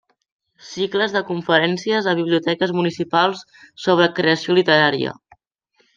Cicles de conferències a Biblioteques municipals sobre creació literària.